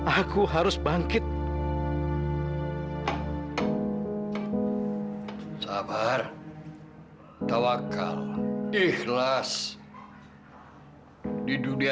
aku harus pulang dari sini